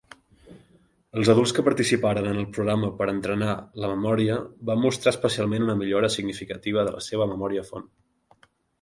Els adults que participaren en el programa per entrenar la memòria van mostrar especialment una millora significativa de la seva memòria font.